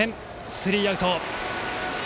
スリーアウト。